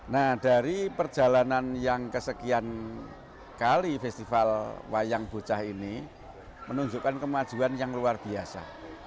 nah dari perjalanan yang kesekian kali festival wayang bocah ini menunjukkan kemajuan yang luar biasa